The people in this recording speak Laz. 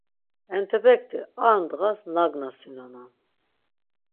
Entepekti ar ndğas nagnasinonan.